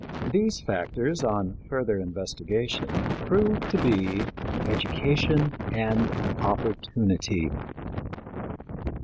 These factors, on further investigation, proved to be education and opportunity.